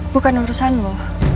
bukan urusan lo